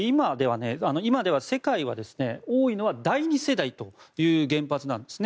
今、世界で多いのは第２世代という原発なんですね。